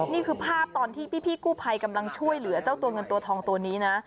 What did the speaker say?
นี่คือภาพตอนที่พี่กู้ภัยกำลังช่วยเหลือเจ้าตัวเงินตัวทองตัวนี้นะ